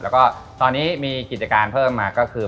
แล้วก็ตอนนี้มีกิจการเพิ่มมาก็คือ